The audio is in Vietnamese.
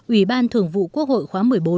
ủy ban thường vụ quốc hội khóa một mươi bốn